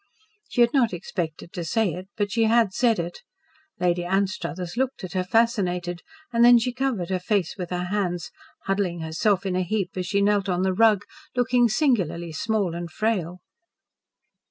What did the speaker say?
She had not expected to say it, but she had said it. Lady Anstruthers looked at her fascinated, and then she covered her face with her hands, huddling herself in a heap as she knelt on the rug, looking singularly small and frail.